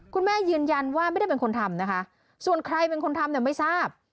คุณแม่ยืนยันว่าไม่ได้เป็นคนทำนะคะส่วนใครเป็นคนทำเนี่ยไม่ทราบ